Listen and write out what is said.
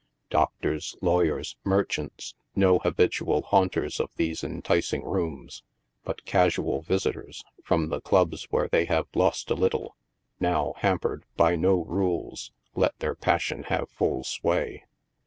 Doctors, lawyers, merchants — no habitual haunters of these enticing rooms, but casual visitors, from the clubs where they have lost a little, now, hampered by no rules, let their passion have full sway.